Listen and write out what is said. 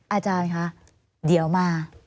อาจารย์คะเดี๋ยวมา